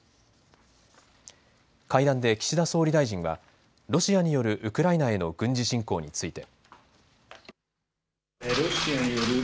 会談で岸田総理大臣はロシアによるウクライナへの軍事侵攻について。